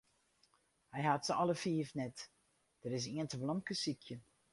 Hy hat se alle fiif net, der is ien te blomkesykjen.